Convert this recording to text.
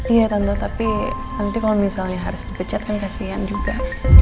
iya kan tapi nanti kalau misalnya harus dipecat kan kasihan juga